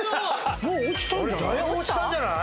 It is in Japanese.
もう落ちたんじゃない？